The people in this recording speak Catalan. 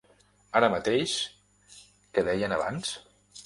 Ara mateix, que deien abans.